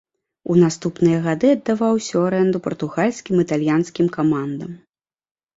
У наступныя гады аддаваўся ў арэнду партугальскім і італьянскім камандам.